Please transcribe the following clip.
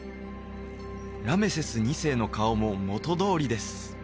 ラメセス２世の顔も元どおりです